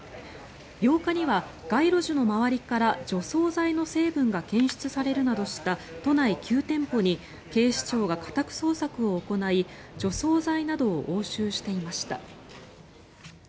８日には街路樹の周りから除草剤の成分が検出されるなどした都内９店舗に警視庁が家宅捜索を行い除草剤などを押収していました。